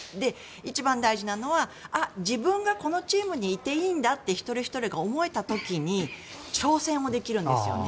一番大事なのは、自分がこのチームにいていいんだって一人ひとりが思えた時に挑戦をできるんですよね。